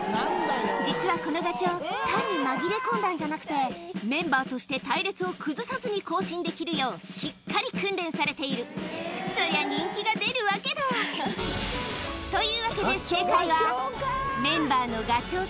実はこのガチョウ単に紛れ込んだんじゃなくてメンバーとして隊列を崩さずに行進できるようしっかり訓練されているそりゃ人気が出るわけだというわけではいということで不正解でした。